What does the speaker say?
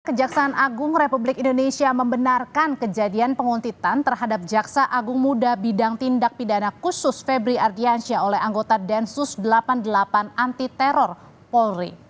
kejaksaan agung republik indonesia membenarkan kejadian penguntitan terhadap jaksa agung muda bidang tindak pidana khusus febri ardiansyah oleh anggota densus delapan puluh delapan anti teror polri